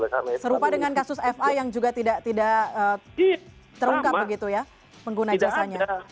serupa dengan kasus fa yang juga tidak terungkap begitu ya pengguna jasanya